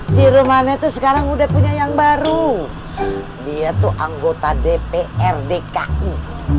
si rumane tuh sekarang udah punya yang baru dia tuh anggota dpr dki